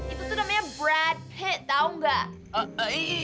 itu tuh namanya brad pitt tau nggak